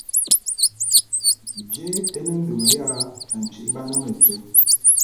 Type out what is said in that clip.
Jé é ne ndem ya ntyi'ibane metye?